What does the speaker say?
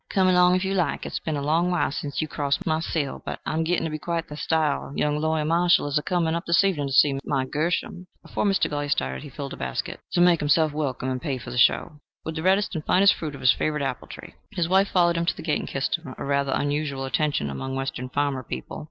"Come along, if you like. It's been a long while sence you've crossed my sill. But I'm gitting to be quite the style. Young Lawyer Marshall is a coming up this evening to see my Gershom." Before Mr. Golyer started he filled a basket, "to make himself welcome and pay for the show," with the reddest and finest fruit of his favorite apple tree. His wife followed him to the gate and kissed him a rather unusual attention among Western farmer people.